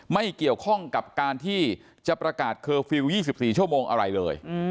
ไม่เกี่ยวข้องกับการที่จะประกาศเคอร์ฟิลล์๒๔ชั่วโมงอะไรเลย